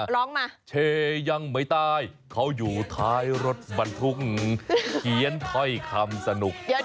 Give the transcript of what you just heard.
ร้องมาเชยังไม่ตายเขาอยู่ท้ายรถบรรทุกเขียนถ้อยคำสนุก